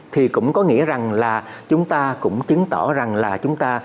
thì cũng có nghĩa rằng là chúng ta cũng chứng tỏ rằng là chúng ta